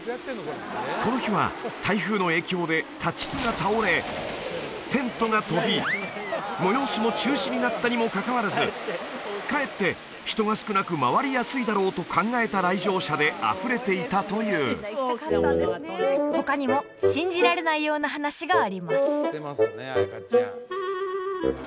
この日は台風の影響で立ち木が倒れテントが飛び催しも中止になったにもかかわらずかえって人が少なく回りやすいだろうと考えた来場者であふれていたという他にも信じられないような話があります